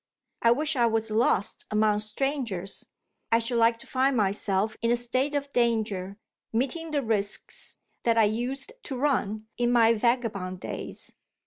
I wish I was lost among strangers. I should like to find myself in a state of danger, meeting the risks that I used to run in my vagabond days.